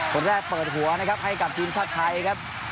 คนแรกเปิดหัวนะครับให้กับทีมชาติไทยครับ